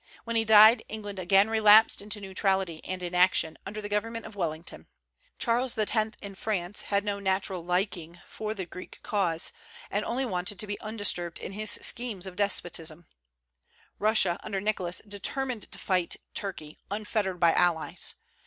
When he died, England again relapsed into neutrality and inaction, under the government of Wellington. Charles X. in France had no natural liking for the Greek cause, and wanted only to be undisturbed in his schemes of despotism. Russia, under Nicholas, determined to fight Turkey, unfettered by allies.